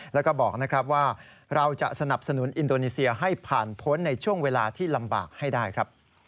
แล้วก็บอกนะครับว่าเราจะสนับสนุนอินโดนีเซียให้ผ่านพ้นในช่วงเวลาที่ลำบากให้ได้ครับ